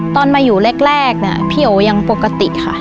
ตอนมาอยู่แรกเนี่ยพี่โอยังปกติค่ะ